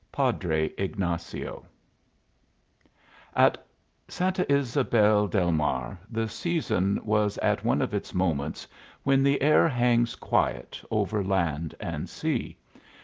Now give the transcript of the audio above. Padre Ignazio At Santa Ysabel del Mar the season was at one of its moments when the air hangs quiet over land and sea.